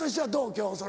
今日。